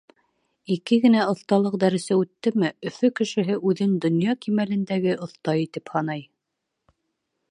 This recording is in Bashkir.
Ике генә оҫталыҡ дәресе үттеме, Өфө кешеһе үҙен донъя кимәлендәге оҫта итеп һанай.